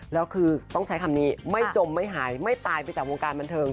แล้วคือต้องใช้คำนี้ไม่จมไม่หายไม่ตายไปจากวงการบันเทิง